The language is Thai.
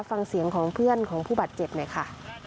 ฟังเสียงของเพื่อนของผู้บาดเจ็บหน่อยค่ะ